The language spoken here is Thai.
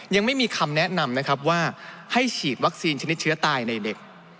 ยังไม่มีคำแนะนำนะครับว่าให้ฉีดวัคซีนชนิดเชื้อตายในเด็ก